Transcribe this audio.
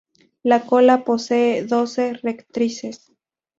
La cola posee doce rectrices.